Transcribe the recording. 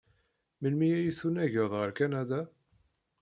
Melmi ay tunaged ɣer Kanada?